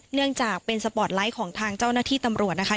เนื่องจากเป็นสปอร์ตไลท์ของทางเจ้าหน้าที่ตำรวจนะคะ